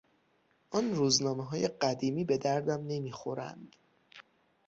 آن روزنامههای قدیمی به دردم نمیخورند.